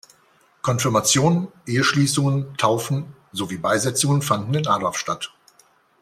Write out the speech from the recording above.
Konfirmationen, Eheschließungen, Taufen sowie Beisetzungen fanden in Adorf statt.